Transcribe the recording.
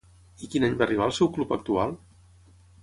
I quin any va arribar al seu club actual?